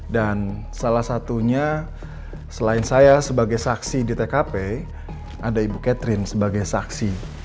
dan salah satunya selain saya sebagai saksi di tkp ada ibu catherine sebagai saksi